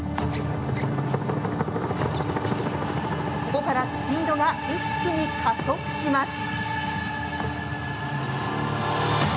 ここからスピードが一気に加速します。